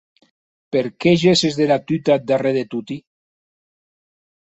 Per qué gesses dera tuta eth darrèr de toti?